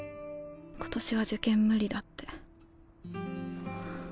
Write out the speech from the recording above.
今年は受験無理だって。